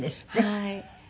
はい。